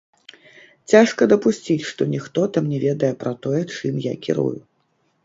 Цяжка дапусціць, што ніхто там не ведае пра тое, чым я кірую.